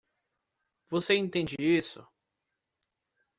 Você entende isso?